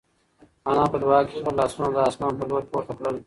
انا په دعا کې خپل لاسونه د اسمان په لور پورته کړل.